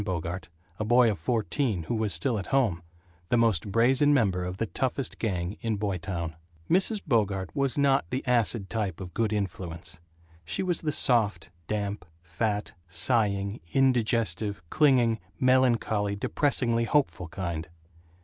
Bogart, a boy of fourteen who was still at home, the most brazen member of the toughest gang in Boytown. Mrs. Bogart was not the acid type of Good Influence. She was the soft, damp, fat, sighing, indigestive, clinging, melancholy, depressingly hopeful kind.